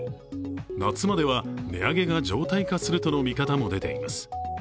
夏までは値上げが常態化するとの見方も出ています。